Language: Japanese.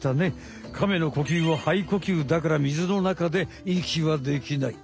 カメの呼吸は肺呼吸だからみずの中でいきはできない。